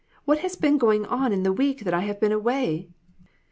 What has been going on in the week that I have been away?